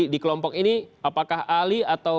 di kelompok ini apakah ali atau